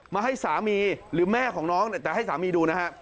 มาให้สามีหรือแม่ของน้องจะให้สามีดูนะฮะ